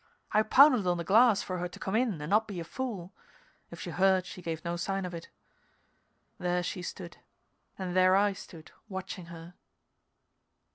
I pounded on the glass for her to come in and not be a fool; if she heard she gave no sign of it. There she stood, and there I stood watching her.